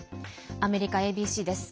アメリカＡＢＣです。